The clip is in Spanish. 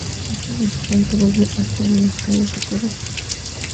Otros afirman que volvió a actuar en las calles de París.